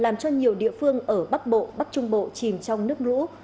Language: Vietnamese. làm cho nhiều địa phương ở bắc bộ bắc trung bộ chìm trong nước lũ